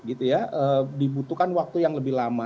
dibutuhkan waktu yang lebih lama